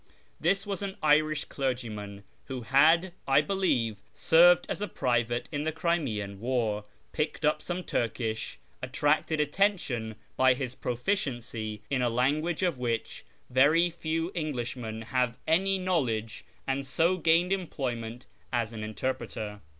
This was an Irisli clergyman, who had, I believe, served as a private in the Crimean War, picked up some Turkish, attracted attention by his proficiency in a language of which very few Englishmen have any knowledge, and so gained employment as an interpreter.